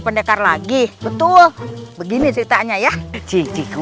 pendekar lagi betul begini ceritanya ya cuci keluar keluar kumu